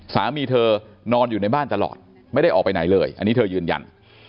สามีเธอนอนอยู่ในบ้านตลอดไม่ได้ออกไปไหนเลยอันนี้เธอยืนยัน